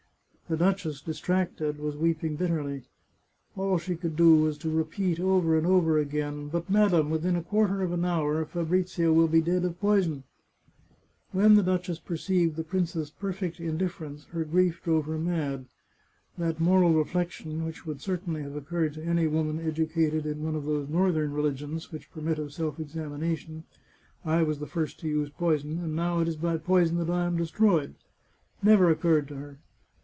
The duchess, distracted, was weeping bitterly. All she could do was to repeat, over and over again, " But, madam, within a quarter of an hour Fa brizio will be dead of poison !" When the duchess perceived the princess's perfect indif ference, her grief drove her mad. That moral reflection, which would certainly have occurred to any woman educated in one of those northern religions which permit of self examination —" I was the first to use poison, and now it is by poison that I am destroyed "— never occurred to her.